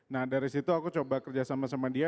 nah dari situ aku coba kerjasama sama dia